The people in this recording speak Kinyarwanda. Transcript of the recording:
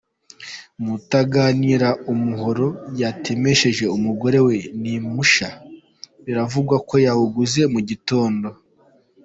Mutaganira umuhoro yatemesheje umugore we ni mushya, biravugwa ko yawuguze mu gitondo.